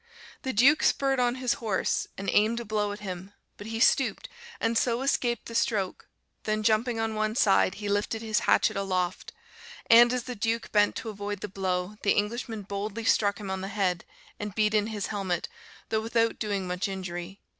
The Duke spurred on his horse, and aimed a blow at him, but he stooped, and so escaped the stroke; then jumping on one side, he lifted his hatchet aloft, and as the Duke bent to avoid the blow the Englishman boldly struck him on the head, and beat in his helmet, though without doing much injury.